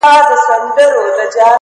صندان د محبت دي په هر واري مخته راسي!